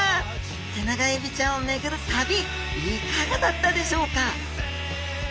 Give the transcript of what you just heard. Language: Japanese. テナガエビちゃんを巡る旅いかがだったでしょうか？